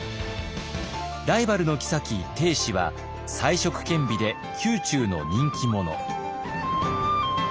ライバルの后定子は才色兼備で宮中の人気者。